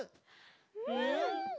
うん！